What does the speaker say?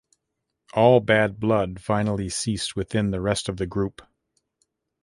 All bad blood finally ceased within the rest of the group.